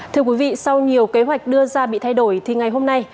thưa quý vị sau nhiều kế hoạch đưa ra bị thay đổi thì ngày hôm nay